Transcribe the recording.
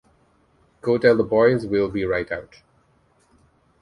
Go tell the boys we'll be right out.